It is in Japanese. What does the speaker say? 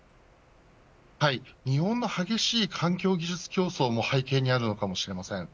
日本の激しい環境技術競争を背景にあるのかもしれません。